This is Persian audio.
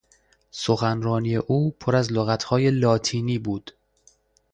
سخنرانی او پر از لغتهای لاتینی بود.